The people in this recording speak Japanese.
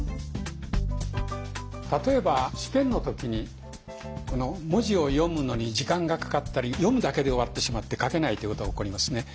例えば試験の時に文字を読むのに時間がかかったり読むだけで終わってしまって書けないっていうことが起こりますね。